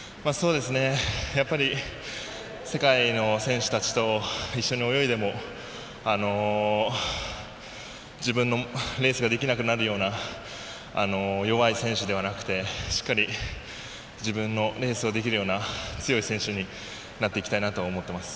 やっぱり世界の選手たちと一緒に泳いでも自分のレースができなくなるような弱い選手ではなくてしっかり自分のレースができるような強い選手になっていきたいなと思っています。